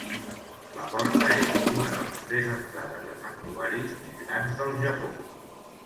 La porta és una de les tres entrades de santuaris més grans del Japó.